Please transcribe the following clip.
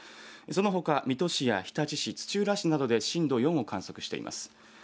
そのほか水戸市や日立市、土浦市などで震度４を観測しています。